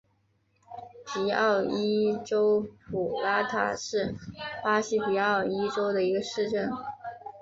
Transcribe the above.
皮奥伊州普拉塔是巴西皮奥伊州的一个市镇。